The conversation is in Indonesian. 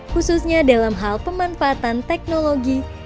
khususnya dalam hal pemanfaatan teknologi